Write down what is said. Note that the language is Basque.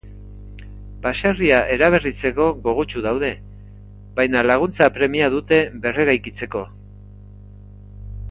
Baserria eraberritzeko gogotsu daude, baina laguntza premia dute berreraikitzeko.